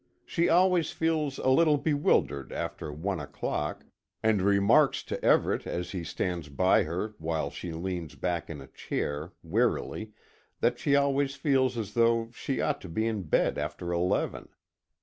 She always feels a little bewildered after one o'clock, and remarks to Everet as he stands by her while she leans back in a chair, wearily, that she always feels as though she ought to be in bed after eleven.